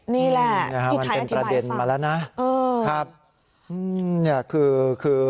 นี่แหละมันเป็นประเด็นประเด็นมาแล้วนะอืมครับอืมนี่คือคือ